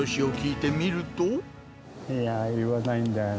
いや、言わないんだよな。